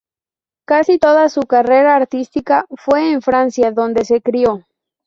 Casi toda su carrera artística fue en Francia, donde se crió.